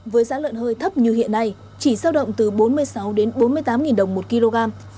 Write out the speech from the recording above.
với giá lợn hơi thấp như hiện nay chỉ giao động từ bốn mươi sáu đến bốn mươi tám đồng một kg